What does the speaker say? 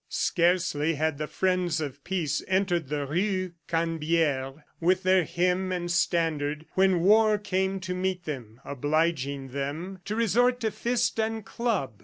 Scarcely had the friends of peace entered the rue Cannebiere with their hymn and standard, when war came to meet them, obliging them to resort to fist and club.